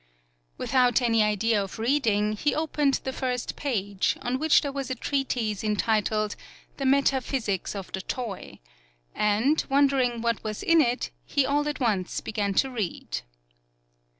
Without any idea of reading, he opened the first page, on which there was a treatise entitled "The Meta physics of the Toy," and, wondering what was in it, he all at once began to read.